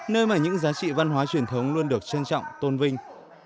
nơi mà những giá trị văn hóa truyền thống luôn được trân trọng tôn vinh